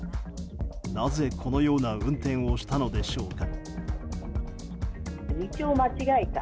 なぜこのような運転をしたのでしょうか？